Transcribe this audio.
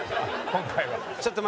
今回は。